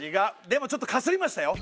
でもちょっとかすりましたよ。